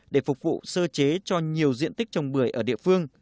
để phục vụ sơ chế cho nhiều diện tích trồng bưởi ở địa phương